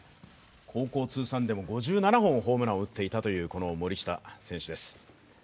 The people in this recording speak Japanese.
高校通算でも５７本ホームランを打っていたという森下選手です。